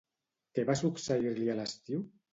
Què va succeir-li a l'estiu?